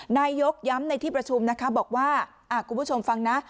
นายกย้ำในที่ประชุมนะคะบอกว่าคุณผู้ชมฟังนะ